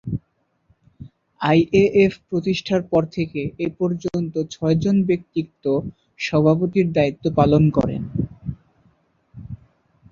IAF প্রতিষ্ঠার পর থেকে এ পর্যন্ত ছয়জন ব্যক্তিত্ব সভাপতির দায়িত্ব পালন করেন।